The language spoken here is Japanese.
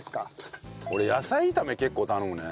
俺野菜炒め結構頼むね。